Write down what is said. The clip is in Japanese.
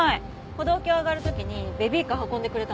歩道橋上がる時にベビーカー運んでくれたんで。